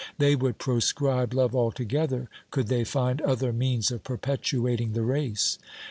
They would proscribe love altogether, could they find other means of perpetuating the race.